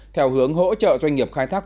theo hướng hỗ trợ doanh nghiệp khai thác